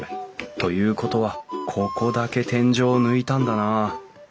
ということはここだけ天井を抜いたんだな。